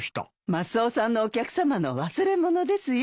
マスオさんのお客さまの忘れ物ですよ。